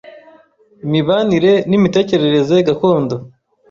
imibanire n’imitekerereze gakondo